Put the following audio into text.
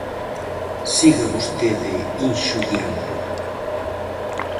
Siga vostede inxuriando.